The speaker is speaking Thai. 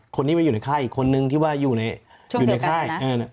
คนนี้มาอยู่ในค่ายอีกคนนึงที่ว่าอยู่ในค่าย